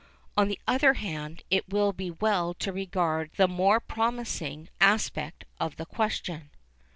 On the other hand, it will be well to regard the more promising aspect of the question.